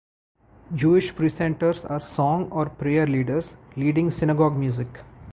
Jewish precentors are song or prayer leaders, leading Synagogue music.